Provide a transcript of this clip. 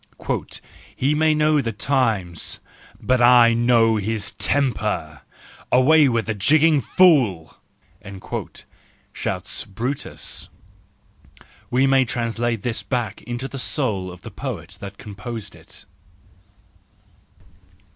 " He may know the times, but I know his temper ,—away with the jigging fool!"—shouts Brutus. We may translate this back into the soul of the poet that composed it.